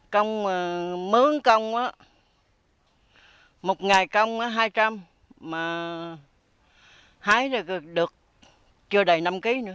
công mà mướn công á một ngày công hai trăm linh mà hái rồi được chưa đầy năm kg nữa